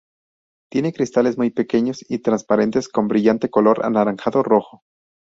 Tiene cristales muy pequeños y transparentes con brillante color anaranjado-rojo.